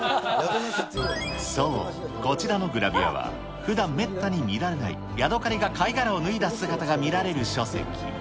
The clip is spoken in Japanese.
そう、こちらのグラビアは、ふだんめったに見られないヤドカリが貝殻を脱いだ姿が見られる書籍。